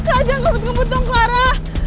raja ngebut ngebut dong kelara